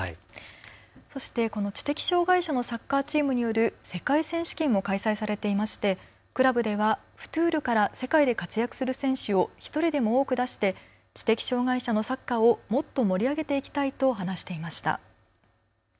知的障害者のサッカーチームによる世界選手権も開催されていてクラブではフトゥーロから世界で活躍する選手を１人でも多く出して知的障害者のサッカーをもっと盛り上げていきたいと話していました。